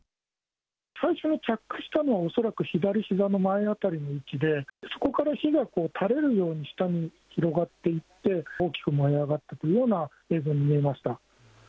最初に着火したのは、恐らく左ひざの前辺りの位置で、そこから火がたれるように下に広がっていって、大きく燃え上がっていくような映像に見えました。